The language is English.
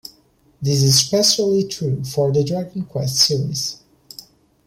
This is especially true for the "Dragon Quest" series.